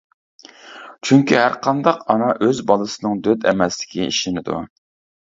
چۈنكى ھەرقانداق ئانا ئۆز بالىسىنىڭ دۆت ئەمەسلىكىگە ئىشىنىدۇ.